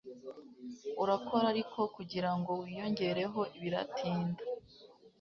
urakora ariko kugirango wiyongereho biratinda